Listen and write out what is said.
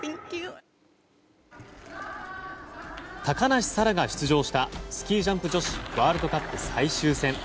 高梨沙羅が出場したスキージャンプ女子ワールドカップ最終戦。